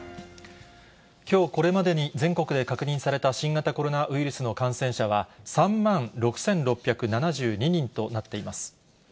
きょうこれまでに全国で確認された新型コロナウイルス感染者は、３万６６７２人となっています。